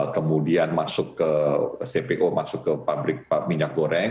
kemudian cpo masuk ke pabrik minyak goreng